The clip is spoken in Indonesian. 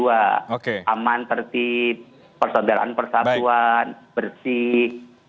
aman tertib persaudaraan persatuan bersih